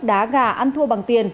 đá gà ăn thua bằng tiền